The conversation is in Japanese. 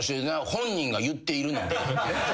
「本人が言っているので」って。